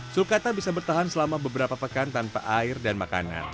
sulcata bisa bertahan selama beberapa pekan tanpa air dan makanan